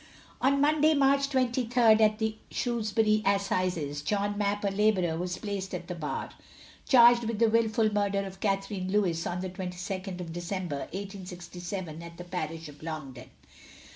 _ On Monday, March 23, at the Shrewsbury Assizes, John Mapp, a labourer, was placed at the bar, charged with the wilful murder of Catherine Lewis, on the 22nd of December, 1867, at the parish of Longden.